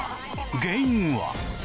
原因は？